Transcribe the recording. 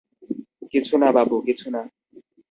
কিছু না বাবু, কিছু না।